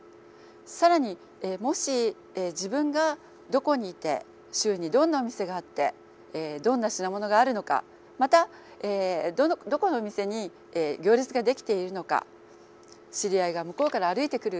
更にもし自分がどこにいて周囲にどんなお店があってどんな品物があるのかまたどこのお店に行列が出来ているのか知り合いが向こうから歩いてくる。